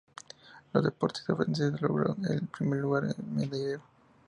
Los deportistas franceses lograron el primer lugar del medallero.